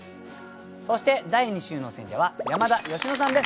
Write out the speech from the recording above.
そして第２週の選者は山田佳乃さんです。